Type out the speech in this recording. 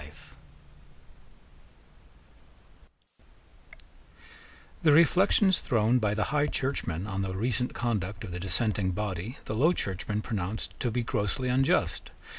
The reflections thrown by the High Churchmen on the recent conduct of the dissenting body the Low Churchmen pronounced to be grossly unjust.